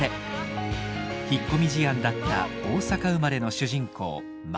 引っ込み思案だった大阪生まれの主人公舞。